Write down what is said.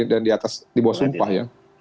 dan di atas di bawah sumpah ya